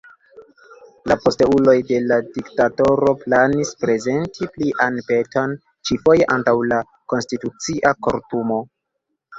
La posteuloj de la diktatoro planis prezenti plian peton, ĉi-foje antaŭ la Konstitucia Kortumo.